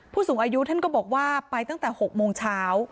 ผู้สูงอายุท่านก็บอกว่าไปตั้งแต่๖โมงเช้า